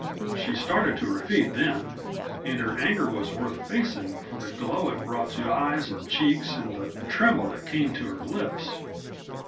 She started to her feet then, and her anger was worth facing for the glow it brought to eyes and cheeks, and the tremble that came to her lips.